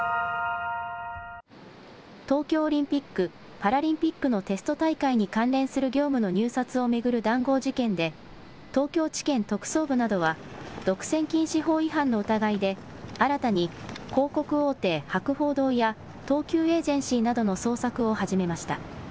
東京オリンピック・パラリンピックのテスト大会に関連する業務の入札を巡る談合事件で、東京地検特捜部などは、独占禁止法違反の疑いで新たに広告大手、博報堂や東急エージェンシーなどの捜索を始めました。